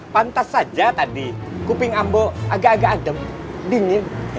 pantas saja tadi kuping ambo agak agak adem dingin